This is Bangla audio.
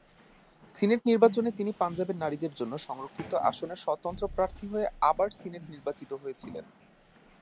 সিনেট নির্বাচনে তিনি পাঞ্জাবের নারীদের জন্য সংরক্ষিত আসনে স্বতন্ত্র প্রার্থী হয়ে আবার সিনেটে নির্বাচিত হয়েছিলেন।